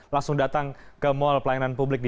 langsung datang ke mall pelayanan publik di